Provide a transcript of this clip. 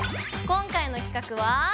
今回の企画は。